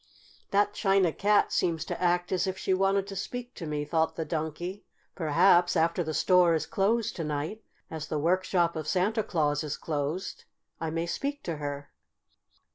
"That China Cat seems to act as if she wanted to speak to me," thought the Donkey. "Perhaps, after the store is closed to night, as the workshop of Santa Claus is closed, I may speak to her."